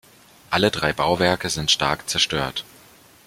Alle drei Bauwerke sind stark zerstört.